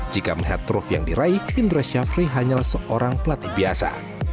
jika melihat truf yang diraih indra syafri hanyalah seorang pelatih biasa